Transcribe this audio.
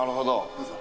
・どうぞ。